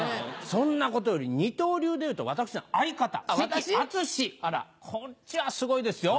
そんなことより二刀流でいうと私の相方関あつしこっちはすごいですよ。